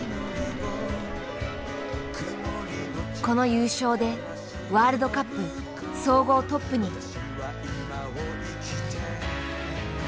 この優勝でワールドカップ総合トップに。